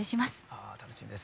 ああ楽しみです。